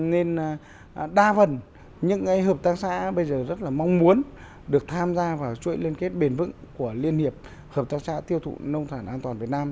nên đa phần những hợp tác xã bây giờ rất là mong muốn được tham gia vào chuỗi liên kết bền vững của liên hiệp hợp tác xã tiêu thụ nông sản an toàn việt nam